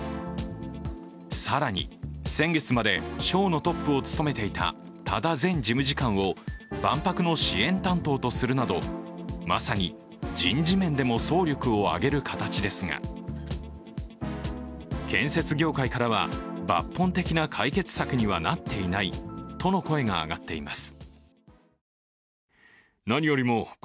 更に、先月まで省のトップを務めていた多田前事務次官を万博の支援担当とするなどまさに人事面でも総力を挙げる形ですが、建設業界からは抜本的な解決策にはなっていないとの声が上がっています。